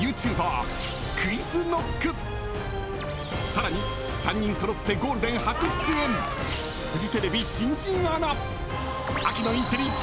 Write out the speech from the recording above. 更に、３人そろってゴールデン初出演フジテレビ新人アナ。